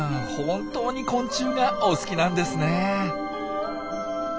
本当に昆虫がお好きなんですねえ。